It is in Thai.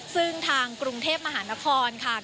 ซึ่งทางกรุงเทพมหานครค่ะ